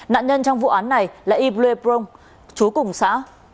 nạn nhân trong vụ án này là y bluê prong trú cùng xã